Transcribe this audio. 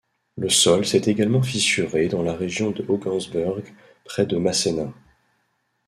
Le sol s'est également fissuré dans la région de Hogansburg, près de Massena.